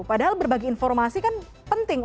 padahal berbagi informasi kan penting